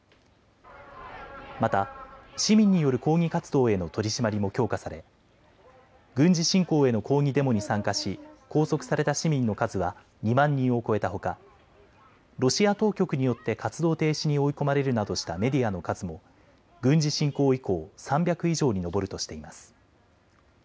また市民による抗議活動への取締りも強化され軍事侵攻への抗議デモに参加し拘束された市民の数は２万人を超えたほか、ロシア当局によって活動停止に追い込まれるなどしたメディアの数も軍事侵攻以降、３００以上に上るとしています。